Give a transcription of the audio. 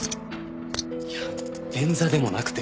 いや便座でもなくて。